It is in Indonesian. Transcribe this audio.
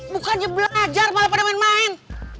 bukan jeblok aja malah pada main main